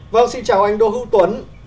vâng xin chào anh đỗ hữu tuấn